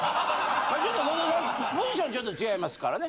ちょっと後藤さんポジションちょっと違いますからね。